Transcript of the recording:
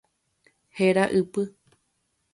Héra ypy.